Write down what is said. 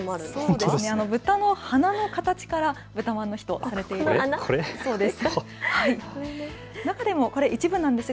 豚の鼻の形から豚饅の日とされているそうなんです。